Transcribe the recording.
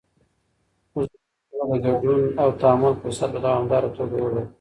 حضوري ټولګي به د ګډون او تعامل فرصت په دوامداره توګه ولري.